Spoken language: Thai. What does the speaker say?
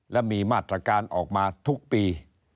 และมีมาตรการออกมาทุกปี